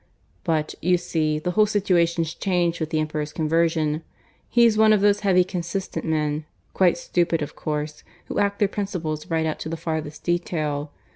But, you see, the whole situation's changed with the Emperor's conversion. He's one of those heavy, consistent men quite stupid, of course who act their principles right out to the farthest detail.